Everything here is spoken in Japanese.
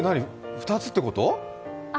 ２つってこと？